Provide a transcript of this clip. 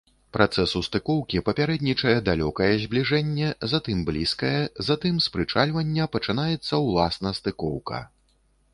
Працэсу стыкоўкі папярэднічае далёкае збліжэнне, затым блізкае, затым з прычальвання пачынаецца ўласна стыкоўка.